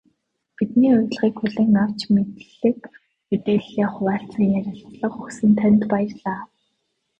Бидний урилгыг хүлээн авч, мэдлэг мэдээллээ хуваалцан ярилцлага өгсөн танд баярлалаа.